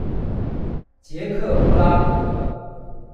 捷克布拉格